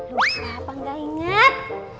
lu salah apa nggak inget